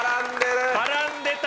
絡んでた。